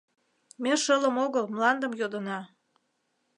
— Ме шылым огыл, мландым йодына.